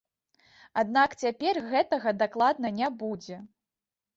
Аднак цяпер гэтага дакладна не будзе.